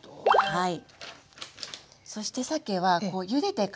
はい。